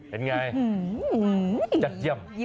เป็นไง